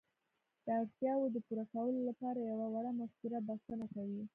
د اړتياوو د پوره کولو لپاره يوه وړه مفکوره بسنه کوي.